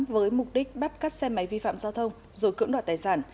với mục đích bắt cắt xe máy vi phạm giao thông rồi cưỡng đoạt tài sản